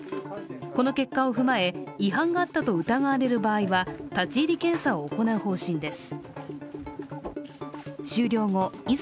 この結果を踏まえ違反があったと疑われる場合は立ち入り検査を行う方針です。